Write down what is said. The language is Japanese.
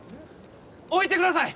置いてください